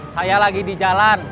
saya lagi di jalan